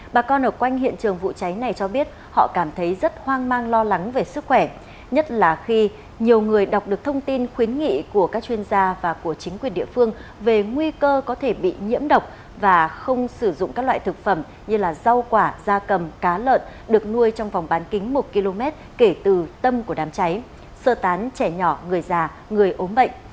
bà con ở quanh hiện trường vụ cháy này cho biết họ cảm thấy rất hoang mang lo lắng về sức khỏe nhất là khi nhiều người đọc được thông tin khuyến nghị của các chuyên gia và của chính quyền địa phương về nguy cơ có thể bị nhiễm độc và không sử dụng các loại thực phẩm như rau quả da cầm cá lợn được nuôi trong vòng bán kính một km kể từ tâm của đám cháy sơ tán trẻ nhỏ người già người ốm bệnh